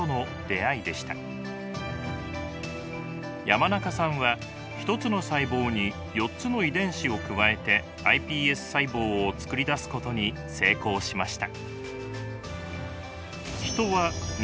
山中さんは１つの細胞に４つの遺伝子を加えてｉＰＳ細胞をつくり出すことに成功しました。